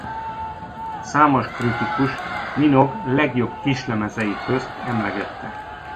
Számos kritikus Minogue legjobb kislemezei közt emlegette.